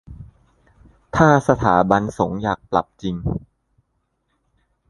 ถ้าสถาบันสงฆ์อยากปรับจริง